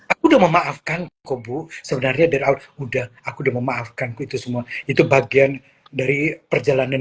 aku udah memaafkan kubu sebenarnya udah aku udah memaafkan itu semua itu bagian dari perjalanan